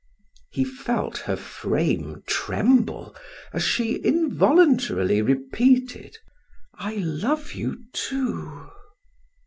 '" He felt her frame tremble as she involuntarily repeated: "I love you too."